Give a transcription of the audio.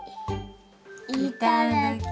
いただきます。